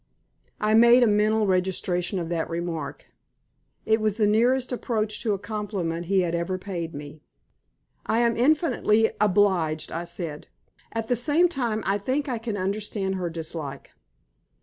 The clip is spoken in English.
I made a mental registration of that remark. It was the nearest approach to a compliment he had ever paid me. "I am infinitely obliged," I said. "At the same time I think I can understand her dislike."